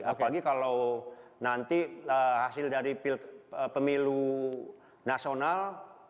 apalagi kalau nanti hasil dari pemilu nasional